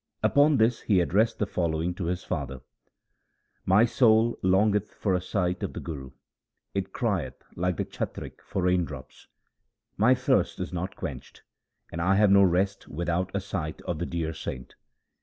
Upon this he addressed the fol lowing to his father :— My soul longeth for a sight of the Guru ; It crieth like the chatrik for raindrops. My thirst is not quenched, and I have no rest without a sight of the dear saint.